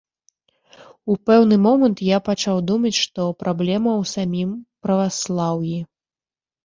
У пэўны момант я пачаў думаць, што праблема ў самім праваслаўі.